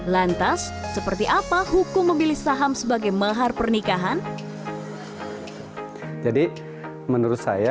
lantas seperti apa hukum memilih saham sebagai mahar pernikahan